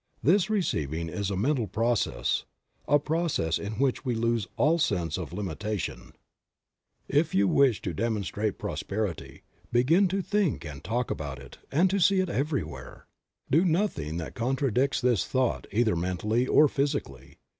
This receiving is a mental process, a process in which we lose all sense of limitation. Creative Mind. 23 If you wish to demonstrate prosperity, begin to think and talk about it, and to see it everywhere. Do nothing that contradicts this thought either mentally or physically.